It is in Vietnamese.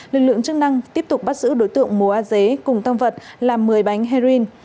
lực lượng chức năng tiếp tục bắt giữ đối tượng mùa a dế cùng tam vật là một mươi bánh heroin